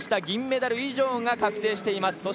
銀メダル以上が確定しています。